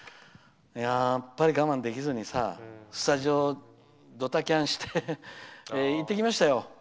やっぱり我慢できずにスタジオ、ドタキャンして行ってきましたよ。